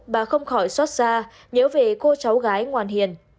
bà không khỏi xót xa nhớ về cô cháu gái ngoan hiền